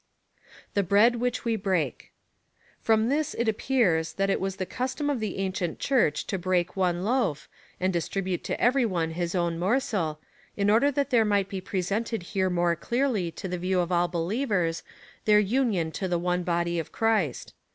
The bread which we break. From this it appears, that it was the custom of the ancient Church to break one loaf, and distribute to every one his own morsel, in order that there might be presented more clearly to the view of all believers their union to the one body of Christ.